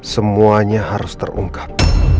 semuanya harus terungkap